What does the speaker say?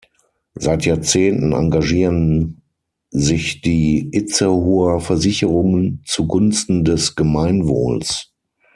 Seit Jahrzehnten engagieren sich die Itzehoer Versicherungen zugunsten des Gemeinwohls.